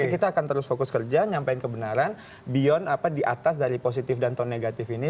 kita akan terus fokus kerja nyampein kebenaran beyond apa di atas dari positif dan tone negatif ini